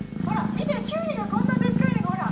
見てキュウリがこんなでっかいのがほら。